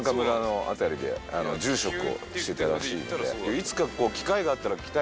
いつか。